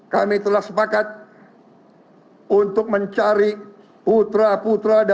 kami telah sepakat untuk mencari putra putra dan putri putri terbaik bangga